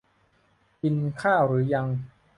กินข้าวหรือยัง